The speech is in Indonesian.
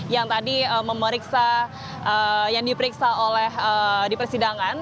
yang tadi memeriksa yang diperiksa oleh di persidangan